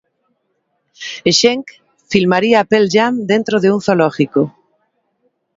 Schenck filmaría a Pearl Jam dentro de un zoológico.